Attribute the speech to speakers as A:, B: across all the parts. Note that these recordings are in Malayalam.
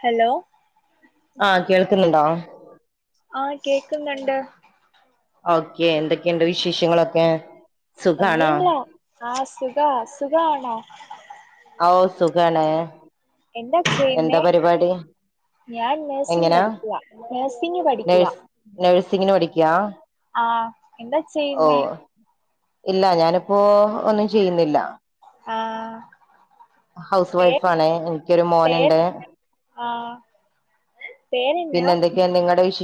A: ഹലോ
B: ആഹ് കേൾക്കുന്നുണ്ടോ?
A: ആഹ് കേക്കുന്നുണ്ട്.
B: ഓക്കെ എന്തൊക്കെണ്ട് വിശേഷങ്ങളൊക്കെ? സുഖാണോ
A: അമ്മീണ്ട്ല്ല ആഹ് സുഖ സുഖാണോ?
B: അഓഹ് സുഖാണ്.
A: എന്താ ചെയ്യുന്നേ?
B: എന്താ പരിപാടി
A: ഞാൻ നേഴ്സിങ്
B: എങ്ങനാ
A: പഠിക്ക്യാ. നേഴ്സിങ് പഠിക്കുവാ.
B: നേഴ്സ് നേഴ്സിങ്ങിന് പഠിക്കാ
A: ആഹ് എന്താ
B: ഓ
A: ചെയ്യുന്നേ?
B: ഇല്ല ഞാനിപ്പോ ഒന്നും ചെയ്യുന്നില്ല.
A: ആഹ്
B: ഹൗസ്
A: പേര്
B: വൈഫാണ എനിക്കൊരു
A: പേര്
B: മോനുണ്ട്.
A: ആഹ്
B: പിന്നെ എന്തൊക്കെയാ നിങ്ങടെ വിശ്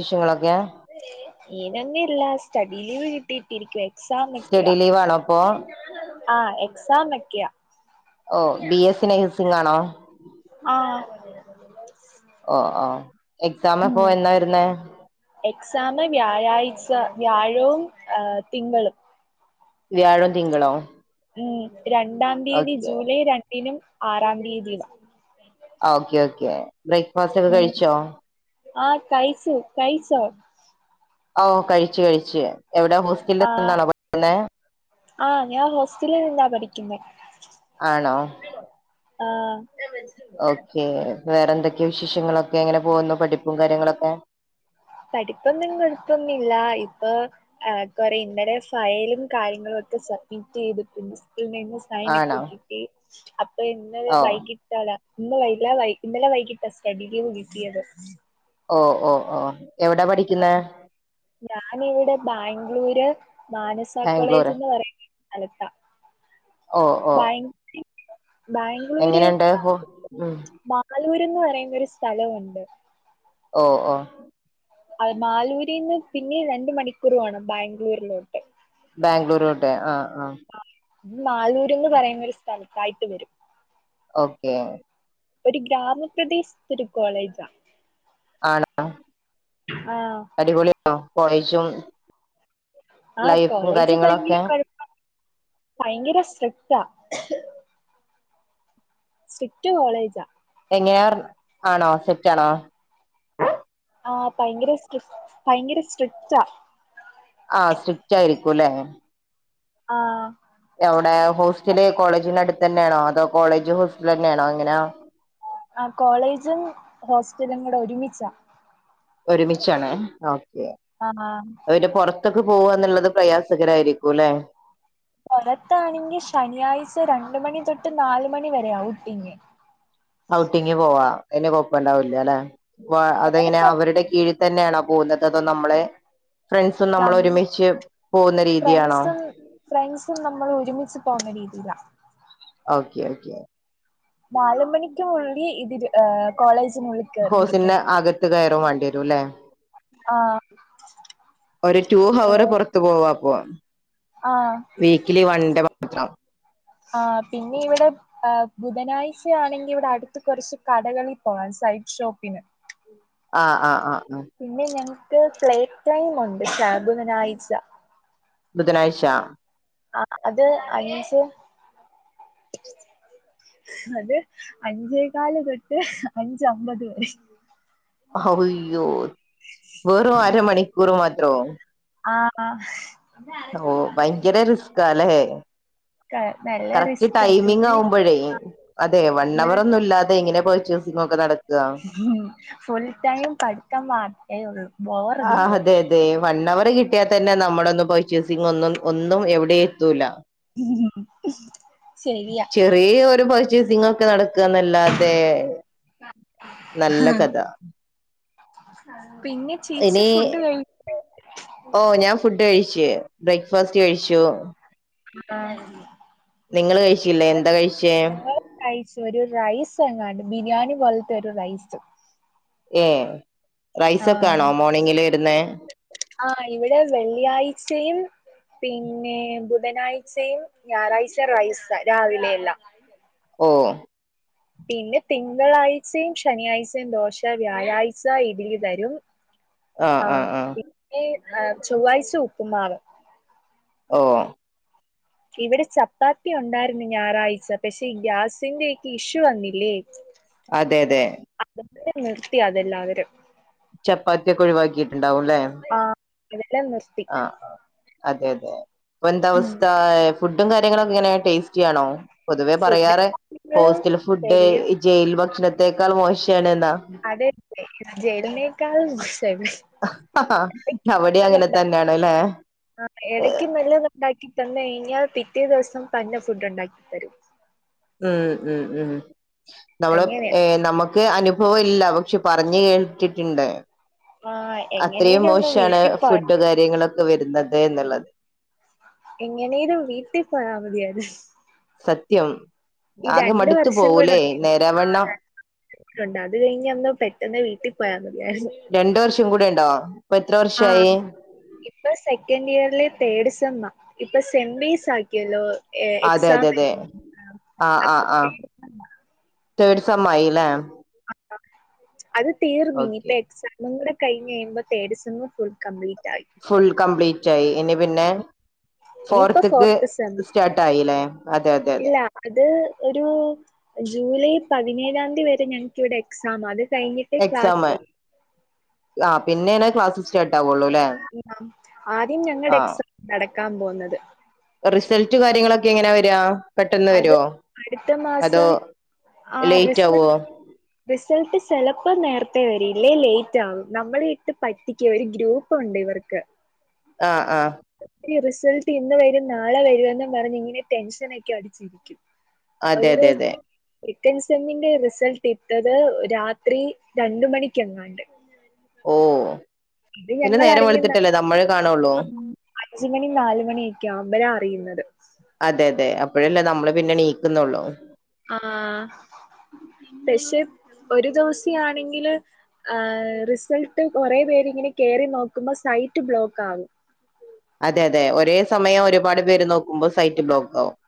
A: ഈനൊന്നു ഇല്ല സ്റ്റഡി ലീവ് കിട്ടിട്ടിരിക്കുവാ. എക്സാം
B: സ്റ്റഡി
A: ഒക്കെയാ.
B: ലീവ് ആണോ അപ്പൊ
A: ആഹ് എക്സാം ഒക്കെയാ
B: ഓ ബി എസ് സി നഴ്സിംഗ് ആണോ?
A: ആഹ്
B: ഓഹ് ഓഹ് എക്സാമപ്പൊ എന്നാ വരുന്നേ?
A: എക്സാം വ്യാഴാഴ്ച വ്യാഴവും ഏഹ് തിങ്കളും
B: വ്യാഴോം തിങ്കളോ?
A: ഉം രണ്ടാം തീയതി
B: ഓക്കെ
A: ജൂലൈ രണ്ടിനും ആറാം തീയതിയും
B: ആഹ് ഓക്കെ ഓക്കെ ബ്രേക്ക്ഫാസ്റ്റ് ഒക്കെ
A: ഉം
B: കഴിച്ചോ?
A: ആഹ് കഴിച്ചു. കഴിച്ചോ?
B: ഓഹ് കഴിച്ചു കഴിച്ചു ഞാൻ എവിടാ ഹോസ്റ്റലിൽ [inaudible]
A: ആഹ്
B: ന്നാണോ പഠിക്കുന്നെ?
A: ആഹ് ഞാൻ ഹോസ്റ്റലിൽ നിന്നാ പഠിക്കുന്നേ
B: ആണോ
A: ആഹ്
B: ഓക്കെ വേറെ എന്തൊക്കെയ വിശേഷങ്ങളൊക്കെ എങ്ങനെ പോകുന്നു പഠിപ്പും കാര്യങ്ങളൊക്കെ
A: പഠിപ്പൊന്നും കൊഴപ്പോന്നുമില്ല. ഇപ്പൊ കൊറേ ഇന്നലെ ഫയലും കാര്യങ്ങളുവൊക്കെ റ്റ് ചെയ്തിട്ട് പ്രിൻസിപ്പളിന്റെ കൈയിന്ന് സൈനൊക്കെ
B: ആണോ
A: കിട്ടി. അപ്പൊ ഇന്നലെ
B: ഓ
A: വൈകിട്ടാട ഇന്ന് വൈറ്റ്ല വൈ ഇന്നലെ വൈകിട്ട സ്റ്റഡി ലീവ് കിട്ടിയത്
B: ഓഹ് ഓഹ് ഓഹ്
A: ആഹ് ഞാനിവിടെ ബാംഗ്ലൂര് മാനസ കോളേജ്
B: ബാംഗ്ലൂര്
A: എന്ന് പറയ സ്ഥലത്ത
B: ഓ ഓ
A: ഭയ ബാംഗ്ലൂര്
B: എങ്ങനെയുണ്ട് ഹോ ഉം
A: മാലൂര്ന്ന് പറയുന്ന ഒരു സ്ഥലവുണ്ട്
B: ഓ ഓ
A: അ മാലൂരിൽന്ന് പിന്നെ രണ്ട് മണിക്കൂറ് വേണം ബാംഗ്ലൂരിലോട്ട്
B: ബാംഗ്ലൂരുടെ ആ ആ
A: അത് നാലൂര്ന്ന് പറയുന്ന ഒരു സ്ഥലത്തായിട്ട് വരും
B: ഓക്കെ
A: ഒരു ഗ്രാമപ്രദേശത്ത ഒരു കോളേജാ
B: ആണോ
A: ആ
B: അടിപൊളിയണോ കോജും
A: അ കോളേജ്കൈഞ്ഞ് കൊയപപം ഭയങ്കര സ്ടി ട്ട സ്ട്രിക്ട് കോളേജാ
B: എങ്ങനെ ആണോ സെറ്റ് ആണോ
A: ആഹഭയങ്കര സ്ട്ര ഭയങ്കര സ്ട്രിക്റ്റാ
B: കുലെ
A: ആ
B: യൗടെ ഹോസ്റ്റല് കോളേജിന്റെ അടുത്ത് തന്നെയാണോ അതോ കോളേജ് ഹോസ്റ്റൽ തന്നെയാണോ എങ്ങനെയാ
A: ആ കോളേജും ഹോസ്റ്റലും കൂടെ ഒരുമിച്ചാ
B: ഒരുമിച്ചാണ് ഓക്കെ
A: ആ
B: അയിന്റെ പുറത്തൊക്കെ പോവ എന്നുള്ളത് പ്രയാസകരായിരിക്കും ല്ലെ
A: പുറത്താണെങ്കി ശനിയാഴ്ച രണ്ട് മണി തൊട്ട് നാല് മണി വരെ ഔട്ടിങ്
B: ഔട്ടിംഗങ് പോവാ അന് കൊയപ്പണ്ടാവൂല്ല ല്ലെ
A: വളരെ
B: അതെങ്ങനെ അവരുടെ കീഴിൽ തന്നെയാണൊ അത നമ്മളെ നമ്മൾ
A: നമ്മ
B: ഒരുമിച്ച് പോകുന്ന രീതിയാണോ
A: ഫ്രണ്ട്സും ഫ്രണ്ട്സും നമ്മൾ ഒരുമിച്ച് പോണം മരീചിക
B: ഓക്കെ ഓക്കെ
A: നാല് മണിക്കുള്ളി ൽ ഇത്കോളേജ്
B: ഹോ സിന്ന ആഗത്ത കയ വാണ്ടിവരുലേ
A: ആഹ്
B: ഒരുഹവർ
A: ഏഹ്
B: പുറത്ത് പോ അ
A: ആഹ്
B: വീക്കലി വൺ ഡേ മാത്രം
A: ഇ ഇവിടെ ബുധനാഴ്ച ആണെങ്കിൽ ഇവിടെ അടുത്ത കൊറച്ച് കടകളിൽ പോവാൻ സൈഡ് ഷോപ്പിന്
B: ആ ആഹ് ആഹ് ആ
A: ഠ് പ്ലടൈംണ്ട് ബുധനാഴച്ച
B: ബുധനാഴ്ച
A: ആ അത് അഞ്ച്
B: [inaudible]
A: അത് അഞ്ചേകല് തൊട്ട് അഞ്ച അമ്പത് വരെ
B: അയ്യോ വെറും അര മണിക്കൂർ മാത്രം
A: ആ
B: ഓ ഭയങ്കര റിസ്ക് അലേ
A: ക നല്ല
B: കറക്റ്റ്
A: റിസ്കാ പിന്നെ
B: ടൈമിംഗ്ആവുമ്പോഴേ അതെ വൺവർ
A: ഇവിടെ
B: ഒന്നുംല്ലാതെ എങ്ങനെ ർച്ചേഴസിങൊക്കെ നട
A: ഫുൾ ടൈം പഠിത്തം മാത്രഉള്ളൂ
B: ആഹ് അതെ അതെ വൺ അവർ കി ട്ടിയാ തന്നെ നമ്മുടെ ഒന്നും പർച്ചേസിംഗ് ഒന്നും ഒന്നും എവിടേം എത്തൂല്ല
A: ശരിയാ.
B: ചെറിയ ഒരു പ സിംഗ് ഒക്കെ നടക്കുക എന്നല്ലാതെ നല്ല കഥ
A: ആഹ്
B: ഇനി ഓ ഞാൻ ഫുഡ് കഴിച്ച് ബ്രേക്ക്ഫാസ്റ്റ് കഴിച്ചു
A: ആഹ്
B: നിങ്ങള് കഴിച്ചില്ലേ എന്താ കഴിച്ചേ
A: ഞങ്ങൾ കഴിച്ചു ഒരു റൈസ് എങ്ങാണ്ട് ബിരിയാണി പോലത്തെ ഒരു റൈസ്
B: ഏഹ്
A: ആഹ് ആഹ് ഇവിടെ വെള്ളിയാഴ്ചയും പിന്നെ ബുധനാഴ്ചയും ഞായറാഴ്ച റൈസാ രാവിലെ എല്ലാം
B: ഓഹ്
A: പിന്നെ തിങ്കളാഴ്ചയും ശനിയാഴ്ചയും ദോശ വ്യാഴാഴ്ച ഇഡലി തരും
B: ആഹ് ആഹ് ആഹ്
A: പിന്നെ ആഹ് ചൊവ്വാഴ്ച ഉപ്പുമാവ്
B: ഓഹ്
A: ഇവിടെ ചപ്പാത്തി ഉണ്ടായിരുന്നു ഞായറാഴ്ച പക്ഷേ ഗ്യാസിന്റെ ഒക്കെ ഇഷ്യൂ വന്നില്ലേ
B: അതെ അതെ
A: [unintelligible] നിർത്തി അതെല്ലാവരും
B: ചപ്പാത്തിയൊക്കെ ഒഴിവാക്കീട്ടുണ്ടാവും അല്ലേ
A: ആഹ് അതെല്ലാം നിർത്തി
B: അതെ അതെ ഇപ്പൊ എന്താ അവസ്ഥ ഫുഡും കാര്യങ്ങളും ഒക്കെ എങ്ങനെ ടേസ്റ്റി ആണോ പൊതുവേ
A: ഫുഡ്
B: പറയാറ്
A: ങ്ങളും
B: ഹോസ്റ്റൽ ഫുഡ്
A: വല്യ
B: ഈ ജയിൽ ഭക്ഷണത്തേക്കാൾ മോശം ആണ് എ
A: അതെ ജയിലിനേക്കാൾ [unintelligible]
B: അവിടെയും അങ്ങനെ തന്നെയാണ് അല്ലേ
A: ആഹ് ഇടയ്ക്ക് നല്ല ഒന്ന് ഉണ്ടാക്കി തന്നു കഴിഞ്ഞാൽ പിറ്റേ ദിവസം പന്ന ഫുഡ് ഉണ്ടാക്കി തരും
B: ഉം ഉം ഉം നമ്മള്
A: അങ്ങനെയാ
B: ഏഹ് നമുക്ക് അനു അനുഭവമില്ല പക്ഷേ പറഞ്ഞു കേട്ടിട്ടുണ്ട്
A: ആ
B: അത്രയും
A: എങ്ങനേലും ഒന്ന്
B: മോശമാണ്
A: വീട്ടിൽ പോയാ
B: ഫുഡ് കാര്യങ്ങളൊക്കെ വരുന്നത് എന്നുള്ളത്
A: എങ്ങനേലും വീട്ടി പോയാ മതിയാരുന്ന്
B: സത്യം ആകെ മടുത്തു പോകൂലേ നേരാവണ്ണം
A: ണ്ട് അത് കഴിഞ്ഞ് അന്ന് പെട്ടെന്ന് വീട്ടിൽ പോയാ മതിയാരുന്ന്
B: ഇപ്പോ എത്ര വർഷം ആയി
A: ഇപ്പൊ സെക്കൻഡ് ഇയറിലെ തേഡ് സെമ്മാ ഇപ്പൊ സെം ബേസ് ആക്കിയല്ലോ
B: അതെ
A: എക്സാം
B: അതെ അതെ ആഹ്
A: അപ്പൊ
B: ആഹ് ആഹ് തേഡ് സെം ആയി ല്ലേ
A: അത് തീർന്ന്
B: ഓക്കെ
A: ഇനിയിപ്പോ എക്സാമും കൂടെ കഴിഞ്ഞ് കഴുമ്പോ തേഡ് sem full complete
B: full complete ആയി ഇനി പിന്നെ
A: ഇനിയിപ്പോ
B: ഫോർത്ത്ക്ക്
A: ഫോർത്ത് സെം
B: സ്റ്റാർട്ട് ആയില്ലേ അതെ അതെ അതെ
A: ഇല്ല അത് ഒരു ജൂലൈ പതിനേഴാം തീയതി വരെ ഞങ്ങൾക്കിവിടെ എക്സാമാ അത് കഴിഞ്ഞിട്ട്
B: എക്സാമ്
A: ക്ലാസ്
B: ആഹ് പിന്നെ ആണ് ക്ലാസ്സ്‌ സ്റ്റാർ
A: ആഹ് ആദ്യം ഞങ്ങടെ
B: ആഹ്
A: എക്സാം നടക്കാൻ പോകുന്നത്
B: റിസൾട്ട് കാര്യങ്ങളൊക്കെ എങ്ങനാ വരാ പെട്ടന്ന്
A: അത്
B: വരുമോ
A: അടുത്ത
B: അതോ
A: മാസം
B: ലേറ്റ് ആവുമോ
A: റിസൾട്ട്‌ ചിലപ്പോ നേരത്തേ വരും ഇല്ലേ ലേറ്റ് ആകും നമ്മളെ ഇട്ട് പറ്റിക്കും ഒരു ഗ്രൂപ്പ് ഉണ്ട് ഇവർ ക്ക്
B: ആഹ് ആഹ
A: റിസൾട്ട് ഇന്ന് വരും നാളെ വരും എന്നെന്നും പറഞ്ഞ് ഇങ്ങനെ ടെൻഷന ഒക്കെ അടിച്ചിരിക്കും
B: അതെ അതെ അതെ
A: സെക്കന്റ്‌ സമ്മിന്റെ റിസൾട്ട് ഇട്ടത് രാത്രി രണ്ട് മണിക്ക എങ്ങാണ്ട്
B: ഓ
A: അത്
B: പിന്നെ
A: ഞങ്ങൾ
B: നേരം
A: അറിയുന്ന
B: വെളുത്തിട്ടല്ലേ നമ്മള് കാണുള്ളൂ
A: ആ അഞ്ചുമണി നാലുമണിയൊക്കെയാ അമ്പലം അറിയുന്നത്
B: അതെ അതെ അപ്പോഴല്ലേ നമ്മള് പിന്നെ നീക്കുന്നുള്ളോ
A: ആഹ പക്ഷെ ഒരു ദിവസം ആണെങ്കിൽ റിസൾട്ട് കുറെപേര്ങ്ങനെ കറി നോക്കുമ്പോ ലൈറ്റ് ബ്ലോക്ക് ആകും
B: അതെ അതെ ഒരേ സമയം ഒരുപാട് പേര് നോക്ക
A: ആ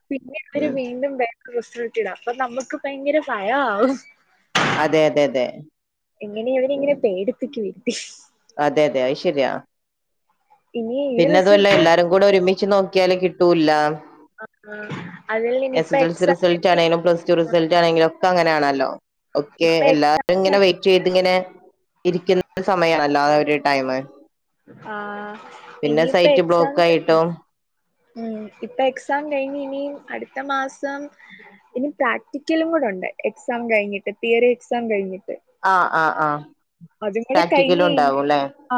A: പിന്നെ അവര് വീണ്ടും ബ സ്ട്ട ഇടാം അപ്പൊ നമുക്ക് ഭയങ്കര ആായ
B: അതെ അതെ അതെ
A: എങ്ങനെയ അവന ഇങ്ങനെ പേടിപ്പക്ക് വരുത്തി
B: അതെ അതെ അത് ശരിയാ
A: ഇനി ഈ
B: പിന്നെ അതുമല്ല
A: റിസൾട്ട്
B: എല്ലാരും കൂടെ ഒരുമിച്ച് നോക്കിയാല് കിട്ടൂല്ല
A: ആ
B: എസ് എസ് എൽ സ റിൾട്ട ആണെങ്കും പ്ലസ്ടു റിസൾട്ട ആണെങ്കിലും ഒക്കെ അങ്ങനാണല്ലോ ഓക്കെ
A: ഇപ്പൊ എക്സാം
B: എല്ലാരും ഇങ്ങനെ വെയിറ്റ് ചെയ്ത് ഇങ്ങനെ ഇരിക്കുന്ന സമയണല്ലോ ആ ഒരു ടൈം
A: ആഹ
B: പിന്നെ
A: ഇനി ഇപ്പ
B: സൈറ്റ്
A: എക്സാം
B: ബ്ലോക്ക്
A: ക
B: ആയിട്ടും
A: ഉ ഇപ്പൊ എക്സാം കഴിഞ് ഇന അടുത്ത മാസം ഇനി പ്രാക്ടിക്കലും കൂടെ ണ്ട് എക്സാം കഴിഞ്ഞിട്ട് തിയറി എക്സാം കഴിഞ്ഞിട്ട്
B: ആഹ് ആഹ ആഹ
A: അതും കൂടെ കഴിഞ്ഞഞ് കഴി ആ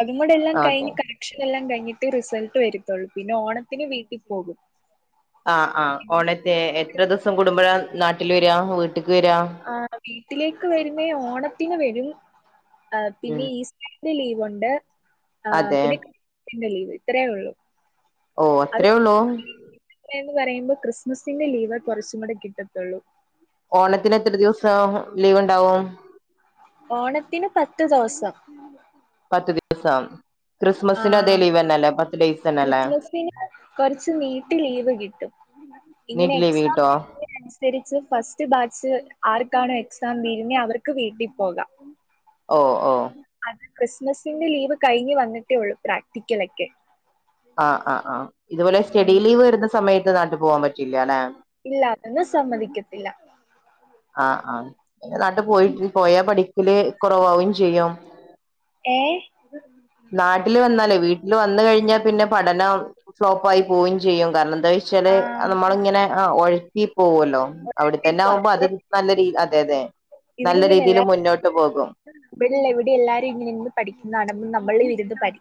A: അതും കൂടെ എല്ലാം
B: ആ അതെ
A: കഴിഞ്ഞ് കളക്ഷൻ എല്ലാം കഴിഞ്ഞു കിട്ട് റിസൾട്ട് വരുത്തുള്ളൂ പിന്നെ ഓണത്തിന് വീട്ടിൽ പോകും
B: ആഹ ആഹ്
A: ഇനി
B: ഓണത്തെ എത്ര ദിവസം കൂടുമ്പോഴ നാട്ടിൽ വരാ വീട്ടക്ക് വരാ
A: ആ വീട്ടിലേക്ക് വരുന്നേ ഓണത്തിന് വരും
B: ഉം.
A: പിന്നെ ഈസ്റ്ററിന്റെ ലീവ്ണ്ട് ആ
B: അതെ
A: പിന്നെ ലീവ് ഇത്രയേ ഉള്ളു
B: ഓ അത്രയേ ഉള്ളൂ
A: ത്രന്ന് പറയുമ്പോ ക്രിസ്മസിന്റെ ലീവ കുറച്ചും കൂടെ കിട്ടത്തുള്ളൂ
B: ഓണത്തിന് എത്ര ദിവസം ലീവ് ഉണ്ടാവും
A: ഓണത്തിന് പത്ത് ദിവസം
B: പത്ത്ദിവസം
A: ആ
B: ക്രിസ്മസിന് അതേ ലീവ് തന്നെ അല്ലേ പ
A: ക്രിസ്മസിന് കൊറച്ച് നീട്ടി ലീവ് കിട്ടും ഇങ്ങനെ
B: നീറ്റ് ലീവ്
A: എക്സാം
B: കിട്ടോ
A: അനുസരിച്ച് ഫസ്റ്റ് ബാച്ച് ആർക്കാണോ എക്സാം തീരുന്നേ അവർക്ക് വീട്ടിൽ പോകാം
B: ഓ ഓ
A: അത് ക്രിസ്മസിന്റെ ലീവ് കഴിഞ്ഞഞ് വന്നിട്ടേ ഉള്ളൂ പ്രാക്ടിക്കലക്കെ
B: ആ് ആ് ആ് ഇതുപോലെ സ്റ്റഡി
A: ഉം
B: ലീവ് വരുന്ന സമയത്ത് നാട്ടു പോവാൻ പറ്റില്ല അല്ലെ
A: ഇല്ലാതന്ന് സമ്മതിക്കത്തില്ല
B: ആഹ ആഹ് എന്ന നാട്ടു പോയിട്ട് പോയാ പഠിക്കല് കുറവാാവും ചെയ്യും
A: ഏ
B: നാട്ടില് വന്നാലേ വീട്ടില് വന്ന കഴിഞ്ഞാ പിന്നെ പഠനം ഫ്ലോപ്പ ആായി പോവുകയും ചെയ്യും കാരണം എന്താ വെച്ചാല്
A: ആഹ്
B: നമ്മളിങ്ങനെ ആ ഒഴക്കി പോകല്ലോ അവിടെ തന്നെ ആകുമ്പോ
A: അപ്പൊ
B: അത് നല്ല അതെ അതെ നല്ല രീതിയിൽ മുന്നോട്ട് പോ
A: ഇവിടെല്ല ഇവിടെ എല്ലാരും ഇങ്ങനെ ഇന്ന് പഠിക്കുന്നതാണ് നമ്മള വിരുന്ന് പഠ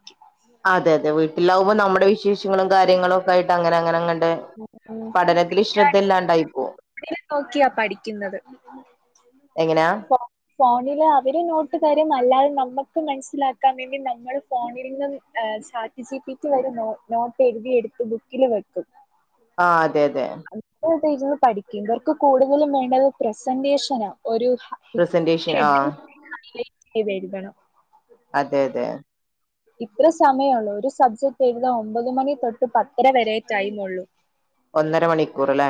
B: അതെ അതെ വീട്ടിലാവകുമ്പോ നമ്മുടെ വിശേഷങ്ങളും കാര്യങ്ങളും ഒക്കെയിട്ട് അങ്ങനെ അങ്ങനെ
A: ഉ ഉ
B: പഠനത്തിൽ ശ്രദ്ധ ഇല്ലാണ്ടായി പോവും
A: എ നോക്കിയാ പഠിക്കുന്നത്
B: എങ്ങനാ
A: ഫോണില് അവര് നോട്ട് തരും അല്ലാും നമുക്ക് മനസ്സിലാക്കാൻ വേണ്ടി നമ്മൾ ഫോണിൽ നിും സാറ്റജി വ നോട്ട്ഴുതി എടുത്ത് ബുക്കില് വെക്കും
B: ആ അതെ അതെ
A: എന്നിട്ട് ഇരുന്ന് പഠിക്കും ഇവർക്ക് കൂടുതലും വേണ്ടത് പ്രസന്റേഷന ആ ഒരു
B: പ്രസന്റേഷൻ ആ
A: ചെയ്രികണം
B: അതെ അതെ
A: ഇത്ര സമയുള്ളൂ ഒരു സബ്ജക്ട് എഴുത ഒമ്പതു മണി തൊട്ട് പത്തര വരേറ്റൈരുന്നുള്ളൂ
B: ഒന്നര മണിക്കൂറല്ലേ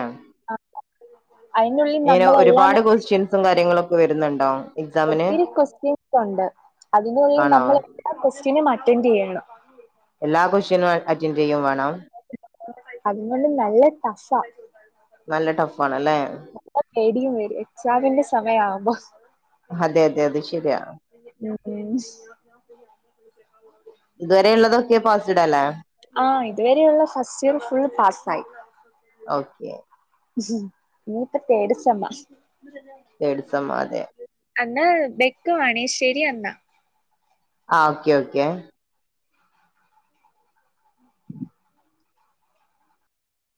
A: അതിനുള്ളിൽ
B: അയി
A: നമ്മളെല്ലാം
B: ഒരുപാട് കൊക്വസ്റ്റ്യൻസും കാര്യങ്ങളൊക്കെ വരുന്നുണ്ടോ എക്സാമിന്
A: ഒത്തിരി ക്വസ്റ്റ്യൻസ് ഉണ്ട് അതിനുള്ളിൽ
B: ആണോ
A: നമ്മൾ എല്ലാ ക്വസ്റ്റ്യനും അററ അറ്റൻഡ് ചെയ്യണം
B: എല്ലാ കുഷ്യനും അററനെയും വേണം
A: അതുകൊണ്ട് നല്ല ടഫ
B: നല്ല ടഫ് ആണല്ലേ
A: നല്ല പേടിയും വരും എക്സാമിന്റെ സമയം ആവുമ്പോ
B: അതെ അതെ അത് ശരിയാ
A: [unintelligible]
B: ഇതുവരെ ഉള്ളതൊക്കെ പോസിഡ അല്ലേ
A: ആ ഇതുവരെയുള്ള ഫസ്റ്റ് ഫുള്ള് പാസ്ായി
B: ഓക്കെ
A: [unintelligible]
B: [unintelligible]
A: എന്നാ വെക്കവാണേ ശരിയന്നാ
B: ആ ഓക്കെ ഓക്കെ